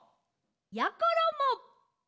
やころも。